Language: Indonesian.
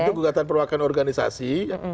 itu gugatan perwakilan organisasi